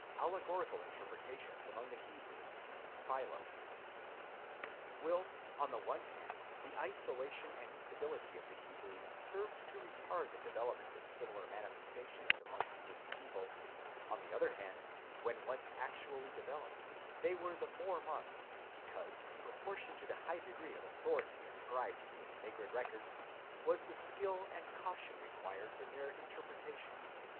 ALLEGORICAL INTERPRETATIONS AMONG THE HEBREWS.—PHILO. Whilst, on the one hand, the isolation and stability of the Hebrews served to retard the development of similar manifestations amongst this people, on the other hand, when once actually developed, they were the more marked; because, in proportion to the high degree of authority ascribed to the sacred records, was the skill and caution required in their interpretation.